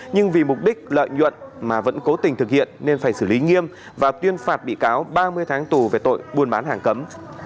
nhưng vì mục đích lợi nhuận mà vẫn cố tình thực hiện nên phải xử lý nghiêm và tuyên phạt bị cáo ba mươi tháng tù về tội buôn bán hàng cấm